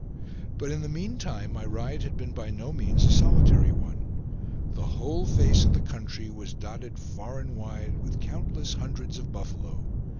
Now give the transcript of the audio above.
But in the meantime my ride had been by no means a solitary one. The whole face of the country was dotted far and wide with countless hundreds of buffalo.